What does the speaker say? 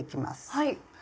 はい！